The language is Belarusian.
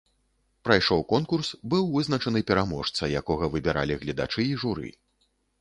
Прайшоў конкурс, быў вызначаны пераможца, якога выбіралі гледачы і журы.